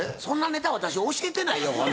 そんなネタ私教えてないよ